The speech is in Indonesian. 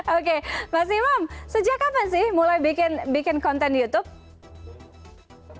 oke mas imam sejak kapan sih mulai bikin konten youtube